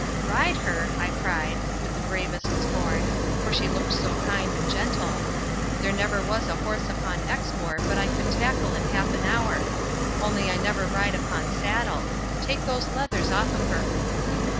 "Ride her!" I cried, with the bravest scorn, for she looked so kind and gentle; "there never was a horse upon Exmoor but I could tackle in half an hour. Only I never ride upon saddle. Take those leathers off of her."